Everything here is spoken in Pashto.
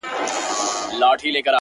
څوك دي د جاناني كيسې نه كوي،